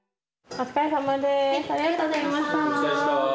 お疲れさまでした。